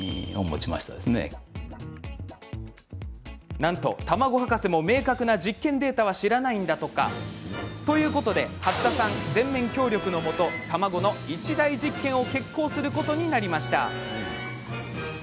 なんと卵博士も明確な実験データは知らないんだとか。ということで八田さん全面協力のもと卵の一大実験を決行することになりました。